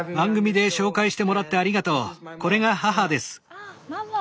あっママ。